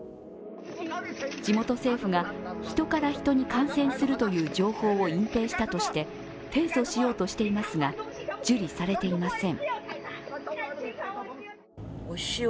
地元政府がヒトからヒトに感染するという情報を隠蔽したとして提訴しようとしていますが、受理されていません。